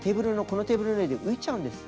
テーブルの上で浮いちゃうんですよ。